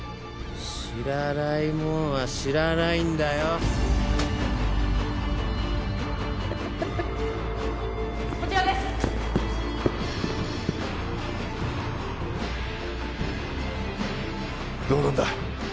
知らないもんは知らないんだよ・こちらですどうなんだ？